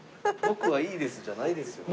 「僕はいいです」じゃないのよ。